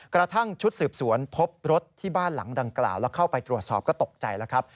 กระทั่งชุดสืบสวนพบรถที่บ้านหลังดังกล่าวแล้วเข้าไปตรวจสอบก็ตกใจแล้วครับ